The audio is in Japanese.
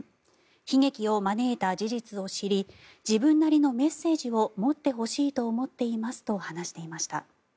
悲劇を招いた事実を知り自分なりのメッセージを持ってほしいと思っていますと話していました。